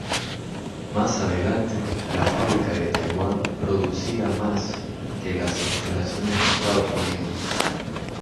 Más adelante, la fábrica de Taiwán producía más que las instalaciones de Estados Unidos.